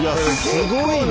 すごいね！